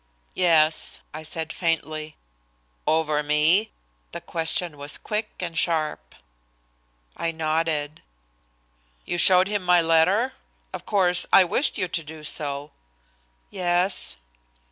"Yes," I said faintly. "Over me?" The question was quick and sharp. I nodded. "You showed him my letter? Of course, I wished you to do so." "Yes."